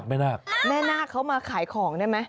แม่นากเขามาขายของได้ไหม